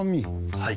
はい。